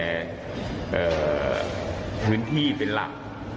บริเวณพื้นที่เป็นหลัก